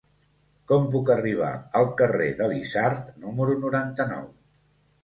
Com puc arribar al carrer de l'Isard número noranta-nou?